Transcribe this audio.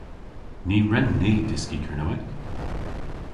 Ny wren ni dyski Kernewek.